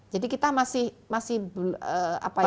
jadi kita masih apa ya